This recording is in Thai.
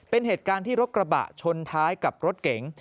เป็นเหตุการณ์ที่รถกระบะชนท้ายกับรถเก๋ง